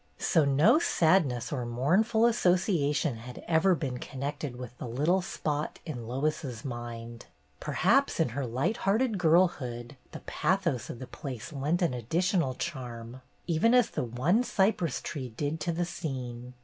So no sadness or mournful association had ever been connected with the little spot in Lois's mind. Perhaps in her light hearted girlhood the pathos of the place lent an additional charm, even as the one cypress tree did to the scene.